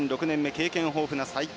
経験豊富な齊藤。